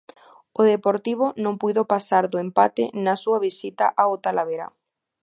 O Deportivo non puído pasar do empate na súa visita ao Talavera.